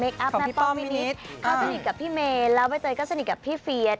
อัพแม่ป้อมพี่นิดเขาสนิทกับพี่เมย์แล้วใบเตยก็สนิทกับพี่เฟียน